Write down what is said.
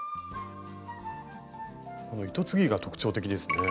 糸継ぎが特徴的ですね。